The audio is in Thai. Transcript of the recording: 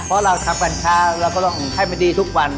เพราะเราทำกันช้าเราก็ต้องให้มันดีทุกวัน